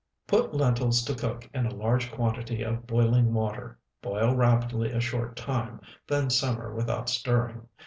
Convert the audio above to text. Put lentils to cook in a large quantity of boiling water; boil rapidly a short time, then simmer without stirring.